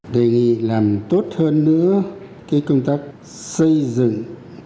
đề nghị làm tốt hơn nữa cái công tác xây dựng